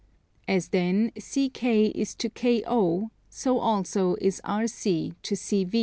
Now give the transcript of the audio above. As then, CK is to KO, so also is RC to CV.